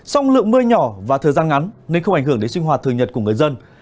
song lượng mưa nhỏ và thời gian ngắn nên không ảnh hưởng đến sinh hoạt thường nhật của người dân